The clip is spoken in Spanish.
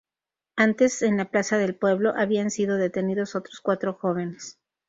Antes en la plaza del pueblo, habían sido detenidos otros cuatro jóvenes.